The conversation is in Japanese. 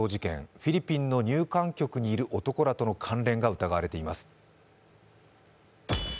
フィリピンの入管局にいる男らとの関連が疑われています。